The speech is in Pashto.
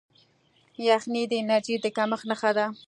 یخني د انرژۍ د کمښت نښه ده.